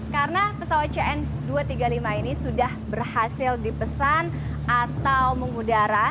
karena pesawat cn dua ratus tiga puluh lima ini sudah berhasil dipesan atau mengudara